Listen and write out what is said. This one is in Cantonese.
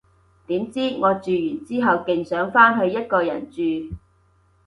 點知，我住完之後勁想返去一個人住